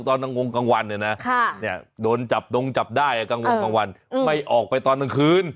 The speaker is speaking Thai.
ตอนทางวงกลางวันไหนนะโดนจับได้ไหมกลางวันไม่ออกไปตอนทางคืน